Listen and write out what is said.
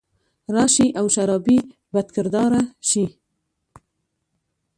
راشي او شرابي او بدکرداره شي